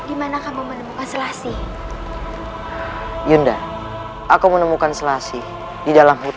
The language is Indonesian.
ibu juga rindu sekali pada ibu